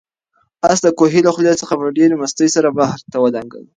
آس د کوهي له خولې څخه په ډېرې مستۍ سره بهر ته ودانګل.